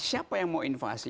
siapa yang mau invasi